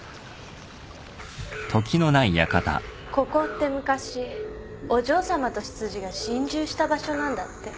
ここって昔お嬢さまと執事が心中した場所なんだって。